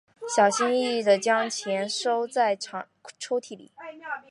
小心翼翼地将钱收在抽屉里